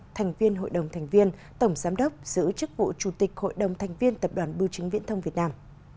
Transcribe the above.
thành viên hội đồng thành viên tổng giám đốc giữ chức vụ chủ tịch hội đồng thành viên tập đoàn bưu chính viễn thông việt nam